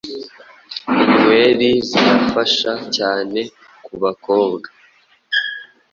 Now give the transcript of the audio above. Inyweri zirafasha cyane kubakobwa